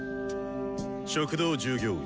「食堂従業員」